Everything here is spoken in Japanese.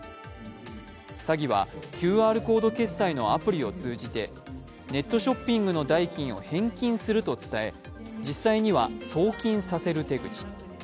詐欺はＱＲコード決済のアプリを通じてネットショッピングの代金を返金すると伝え、実際には送金させる手口。